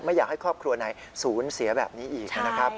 ไม่อยากให้ครอบครัวในศูนย์เสียแบบนี้อีกนะครับ